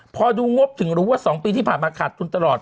พอดูงบถึงรู้ว่า๒ปีที่ผ่านมาขาดทุนตลอด